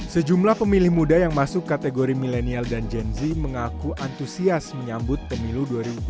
sejumlah pemilih muda yang masuk kategori milenial dan gen z mengaku antusias menyambut pemilu dua ribu dua puluh